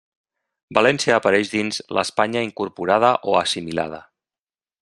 València apareix dins l'«Espanya incorporada o assimilada».